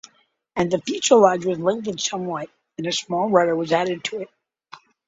And the fuselage was lengthened somewhat, and a small rudder was added to it.